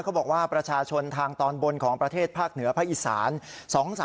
บอกว่าประชาชนทางตอนบนของประเทศภาคเหนือภาคอีสาน